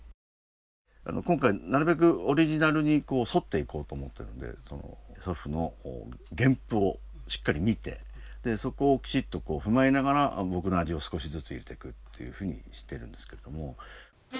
今回なるべくオリジナルに沿っていこうと思ってるんで祖父の原譜をしっかり見てそこをきちっと踏まえながら僕の味を少しずつ入れてくっていうふうにしてるんですけども。